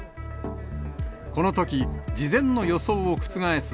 このとき、事前の予想を覆す